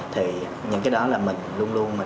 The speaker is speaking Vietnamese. thì những cái đó là mình luôn luôn